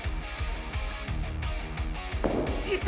いった！